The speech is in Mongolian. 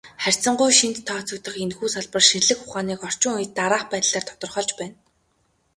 Харьцангуй шинэд тооцогдох энэхүү салбар шинжлэх ухааныг орчин үед дараах байдлаар тодорхойлж байна.